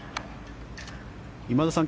今田さん